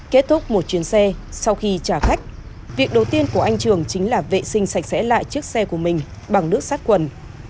kết thúc một chuyến xe sau khi trả khách việc đầu tiên của anh trường chính là vệ sinh sạch sẽ lại chiếc xe của mình bằng nước sát quần